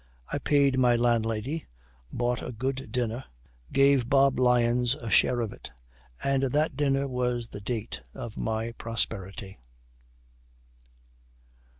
I paid my landlady bought a good dinner gave Bob Lyons a share of it; and that dinner was the date of my prosperity!"